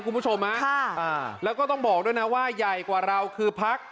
คุณผู้ชมฮะแล้วก็ต้องบอกด้วยนะว่าใหญ่กว่าเราคือพัก